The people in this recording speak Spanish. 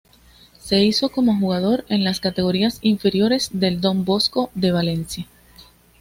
Se hizo como jugador en las categorías inferiores del Don Bosco de Valencia.